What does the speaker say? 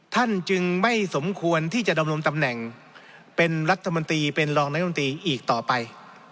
ท่านจึงไม่สมควรที่จะดำรงตำแหน่งเป็นรัฐมนตรีเป็นรองนายมนตรีอีกต่อไป